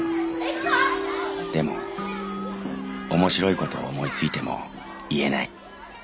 でも面白いことを思いついても言えない。